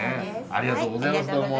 ありがとうございますどうも。